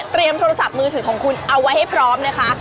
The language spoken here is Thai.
โทรศัพท์มือถือของคุณเอาไว้ให้พร้อมนะคะ